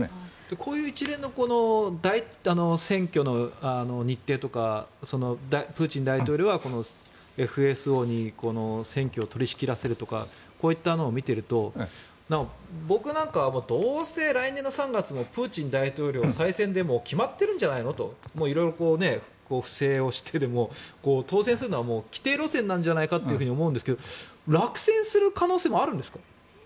こういう一連の選挙の日程とかプーチン大統領は、ＦＳＯに選挙を取り仕切らせるとかこういったのを見ていると僕なんかはどうせ来年の３月もプーチン大統領、再選で決まってるんじゃないの？と色々、不正をしてでも当選するのは既定路線じゃないかと思うんですが落選する可能性もあるんですか？